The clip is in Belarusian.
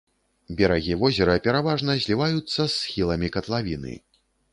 Берагі возера пераважна зліваюцца з схіламі катлавіны.